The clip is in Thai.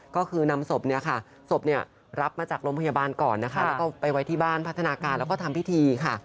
ก็คือนำศพเนี่ยค่ะศพเนี่ยรับมาจากโรงพยาบาลก่อนนะคะแล้วก็ไปไว้ที่บ้านพัฒนาการแล้วก็ทำพิธีค่ะ